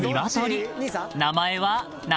［名前は何？］